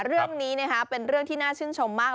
เรื่องนี้เป็นเรื่องที่น่าชื่นชมมาก